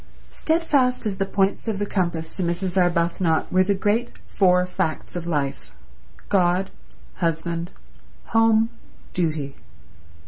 Steadfast as the points of the compass to Mrs. Arbuthnot were the great four facts of life: God, Husband, Home, Duty.